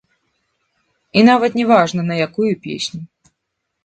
І нават не важна, на якую песню.